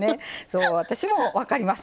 そう私も分かります